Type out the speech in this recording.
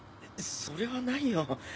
それはないよ。